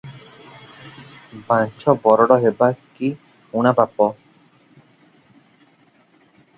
ବାଞ୍ଝ ବରଡ଼ ହେବା କି ଊଣା ପାପ?